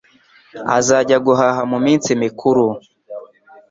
Azajya guhaha muminsi mikuru.